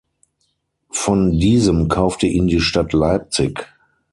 Von diesem kaufte ihn die Stadt Leipzig.